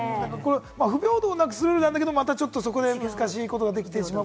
不平等をなくすためなんだけれども、そこで難しいことが出てきてしまう。